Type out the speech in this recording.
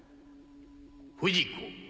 不二子。